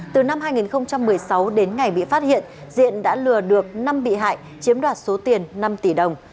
từ năm hai nghìn một mươi sáu đến ngày bị phát hiện diện đã lừa được năm bị hại chiếm đoạt số tiền năm tỷ đồng